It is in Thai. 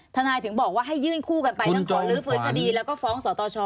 ถึงบอกว่าให้ยื่นคู่กันไปทั้งขอลื้อฟื้นคดีแล้วก็ฟ้องสตช